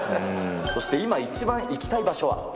そして今一番行きたい場所は？